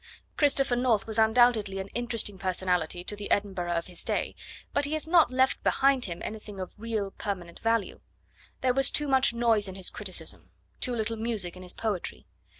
Christopher North was undoubtedly an interesting personality to the Edinburgh of his day, but he has not left behind him anything of real permanent value. There was too much noise in his criticism, too little music in his poetry.